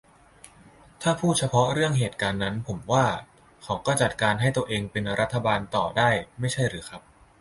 ถ้าพูดเฉพาะเรื่องเหตุการณ์นั้น ผมว่าเขาก็จัดการให้ตัวเองเป็นรัฐบาลต่อได้ไม่ใช่หรือครับ ?